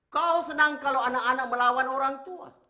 kau senang kalau anak anak melawan orang tua